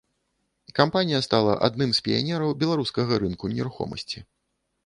Кампанія стала адным з піянераў беларускага рынку нерухомасці.